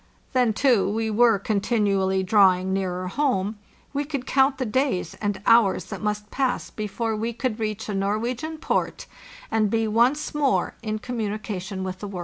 Then, too, we were continually drawing nearer home; we could count the days and hours that must pass before we could reach a Norwegian port and be once more in communication with the world.